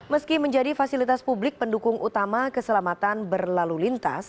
meski menjadi fasilitas publik pendukung utama keselamatan berlalu lintas